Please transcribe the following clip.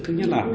thứ nhất là